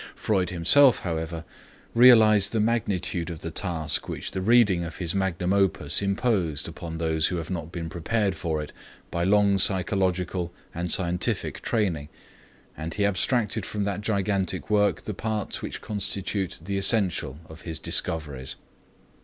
Freud himself, however, realized the magnitude of the task which the reading of his magnum opus imposed upon those who have not been prepared for it by long psychological and scientific training and he abstracted from that gigantic work the parts which constitute the essential of his discoveries.